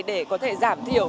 để có thể giảm thiểu